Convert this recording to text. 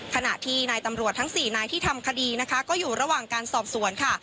ขณะที่นายตำรวจทั้ง๔นายที่ทำคดีนะคะก็อยู่ระหว่างการสอบสวนค่ะ